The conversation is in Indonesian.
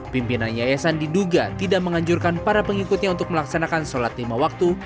pimpinan yayasan diduga tidak menganjurkan para pengikutnya untuk melaksanakan sholat lima waktu